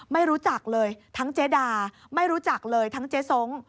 ไม่รู้จักเลยทั้งเจดาไม่รู้จักเลยทั้งเจ๊ส้ง